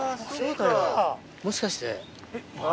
もしかして。